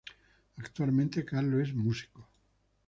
Actualmente, Carlos es músico.